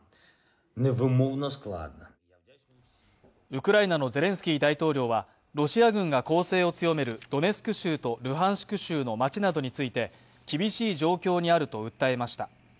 ウクライナのゼレンスキー大統領はロシア軍が攻勢を強めるドネツク州とルハンシク州の街などについて厳しい状況にあると訴えました。